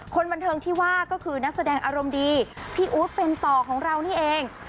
คนบันเทิงที่ว่าก็คือนักแสดงอารมณ์ดีพี่อู๊ดเป็นต่อของเรานี่เอง